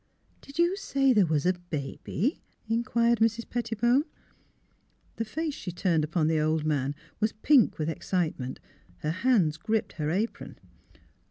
— Did you say there was a baby? " in quired Mrs. Pettibone. The face she turned upon the old man was pink with excitement ; her hands gripped her apron.